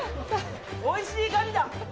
おいしいガリだ。